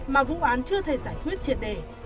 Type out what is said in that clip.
mà vụ án chưa thể giải quyết triệt đề